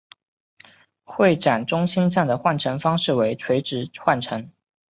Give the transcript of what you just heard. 会展中心站的换乘方式为垂直换乘。